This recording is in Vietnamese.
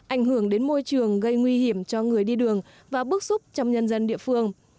ảnh hưởng đến môi trường gây nguy hiểm cho người đi đường và bức xúc trong nhân dân địa phương